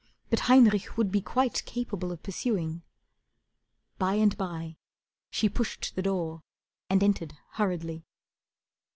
But Heinrich would be quite Capable of pursuing. By and by She pushed the door and entered hurriedly.